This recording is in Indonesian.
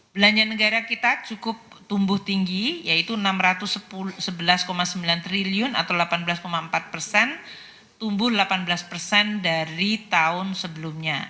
belanja negara kita cukup tumbuh tinggi yaitu enam ratus sebelas sembilan triliun atau delapan belas empat persen tumbuh delapan belas persen dari tahun sebelumnya